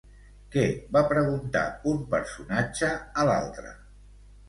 Què va preguntar un personatge a l'altre?